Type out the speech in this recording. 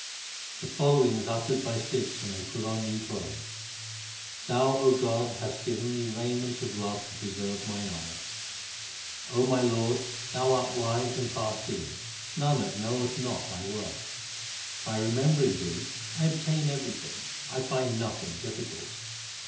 The following is uttered by Sikhs when they put on new clothes : Thou, O God, hast given me the raiment of love to pre serve mine honour. my Lord, Thou art wise and far seeing ; Nanak knoweth not Thy worth. By remembering Thee, I obtain everything, I find nothing difficult.